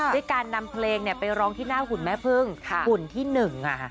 ด้วยการนำเพลงไปร้องที่หน้าหุ่นแม่พึ่งหุ่นที่๑ค่ะ